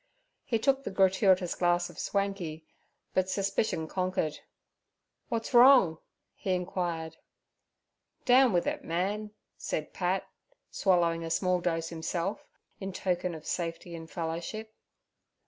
He took the gratuitous glass of swanky, but suspicion conquered. 'What's wrong?' he inquired. 'Down with it, mann' said Pat, swallowing a small dose himself, in token of safety and fellowship.